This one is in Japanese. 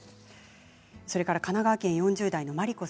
それから神奈川県４０代の方。